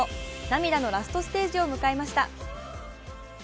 涙のラストステージを迎えました。